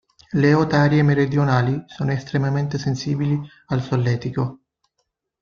Le otarie meridionali sono estremamente sensibili al solletico.